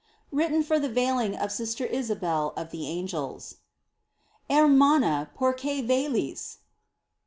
WRITTEN FOR THE VEILING OF SISTER ISABEL OF THE ANGELS. Hermana, por qué veléis.